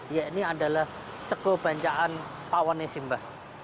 ya ini adalah seko banjaan pawanesimba